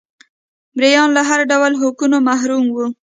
مریان له هر ډول حقونو محروم وو